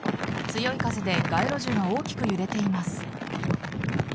強い風で街路樹が大きく揺れています。